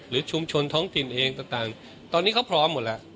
หรือชุมชนท้องตินเองต่างต่างตอนนี้เขาพร้อมหมดแล้ว